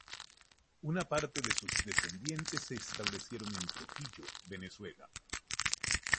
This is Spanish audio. Una parte de sus descendientes se establecieron en Trujillo, Venezuela.